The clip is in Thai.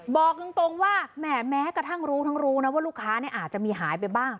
บอกตรงว่าแม้ทั้งรู้นะว่ารูค้าอาจจะมีหายไปบ้าง